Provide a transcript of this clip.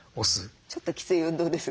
ちょっときつい運動ですね。